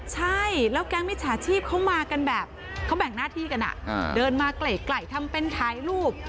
ใช่แล้วแก๊งมิจฉาชีพเขามากันแบบเขาแบ่งหน้าที่กันเดินมาไกลทำเป็นถ่ายรูป